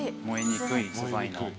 燃えにくい素材の。